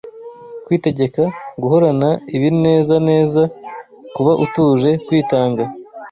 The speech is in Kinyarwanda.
kwitegeka, guhorana ibinezaneza, kuba utuje, kwitanga,